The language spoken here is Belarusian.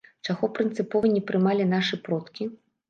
Чаго прынцыпова не прымалі нашы продкі?